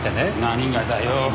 何がだよ？